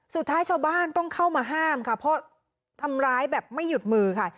สุดท้ายชาวบ้านต้องเข้ามาห้ามค่ะเพราะทำร้ายแบบไม่หยุดมือค่ะ